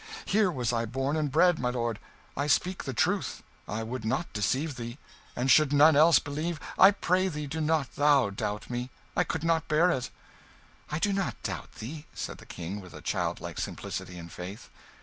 Here was I born and bred, my lord; I speak the truth; I would not deceive thee; and should none else believe, I pray thee do not thou doubt me I could not bear it." "I do not doubt thee," said the King, with a childlike simplicity and faith.